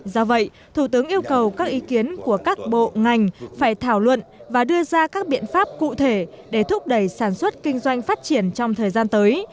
do vậy thủ tướng yêu cầu các ý kiến của các bộ ngành phải thảo luận và đưa ra các biện pháp cụ thể để thúc đẩy sản xuất kinh doanh phát triển trong thời gian tới